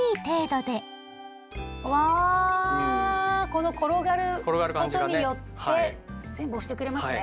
うわこの転がることによって全部押してくれますね。